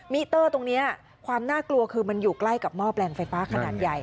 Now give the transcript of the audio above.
มิเตอร์ตรงนี้ความน่ากลัวคือมันอยู่ใกล้กับหม้อแปลงไฟฟ้าขนาดใหญ่